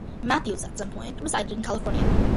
Mathews at some point resided in California.